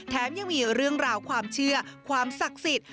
ยังมีเรื่องราวความเชื่อความศักดิ์สิทธิ์